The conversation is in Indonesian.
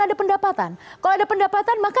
ada pendapatan kalau ada pendapatan maka